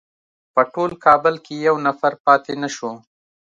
په ټول کابل کې یو نفر پاتې نه شو.